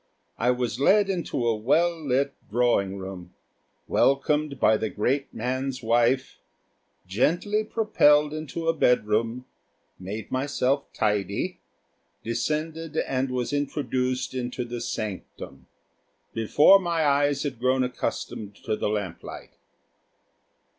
I was led into a well lit drawing room, welcomed by the great man's wife, gently propelled into a bedroom, made myself tidy, descended and was introduced into the sanctum, before my eyes had grown accustomed to the lamp light.